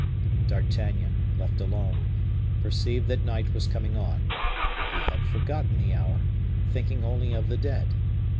D'Artagnan, left alone, perceived that night was coming on. He had forgotten the hour, thinking only of the dead.